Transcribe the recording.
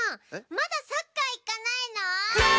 まだサッカーいかないの？ぜい！